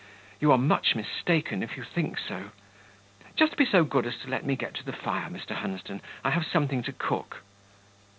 You are much mistaken if you think so. Just be so good as to let me get to the fire, Mr. Hunsden; I have something to cook."